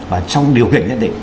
và trong điều kiện nhất định